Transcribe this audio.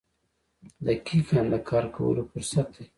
• دقیقه د کار کولو فرصت دی.